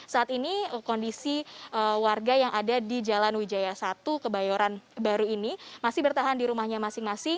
saat ini kondisi warga yang ada di jalan wijaya satu kebayoran baru ini masih bertahan di rumahnya masing masing